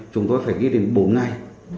chúng tôi phải ghi đến bốn ngày